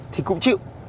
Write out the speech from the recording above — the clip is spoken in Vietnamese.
thì cũng chịu